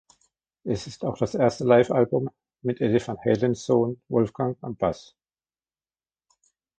Es ist auch das erste Livealbum mit Eddie Van Halens Sohn Wolfgang am Bass.